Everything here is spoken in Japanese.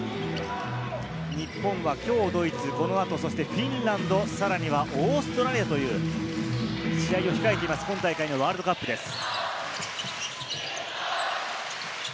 日本はきょうドイツ、このあとフィンランド、さらにはオーストラリアという試合を控えています、本大会のワールドカップです。